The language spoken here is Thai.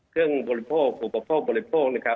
เครื่องบริโภคผู้ประโภคบริโภค